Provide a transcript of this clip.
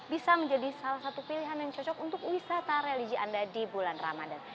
bisa menjadi salah satu pilihan yang cocok untuk wisata religi anda di bulan ramadan